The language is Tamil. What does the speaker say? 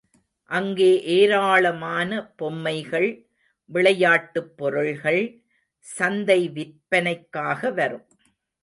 அங்கே ஏராளமான பொம்மைகள், விளையாட்டுப் பொருள்கள், சந்தை விற்பனைக்காக வரும்.